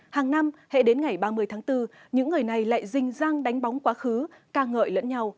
hàng năm hệ đến ngày ba mươi tháng bốn những người này lại rinh răng đánh bóng quá khứ ca ngợi lẫn nhau